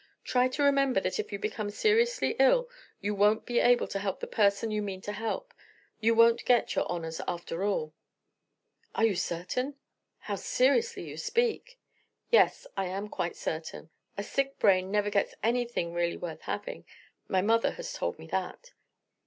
Try to remember that if you become seriously ill you won't be able to help the person you mean to help; you won't get your honors after all." "Are you certain? How seriously you speak!" "Yes, I am quite certain. A sick brain never gets anything really worth having. My mother has told me that."